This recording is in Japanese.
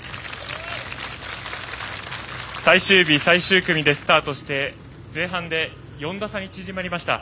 最終日、最終組でスタートして前半で４打差に縮まりました。